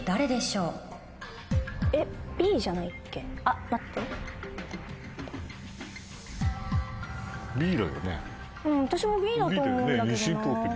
うん私もＢだと思うんだけどな。